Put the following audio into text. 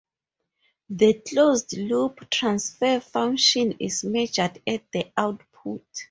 The closed-loop transfer function is measured at the output.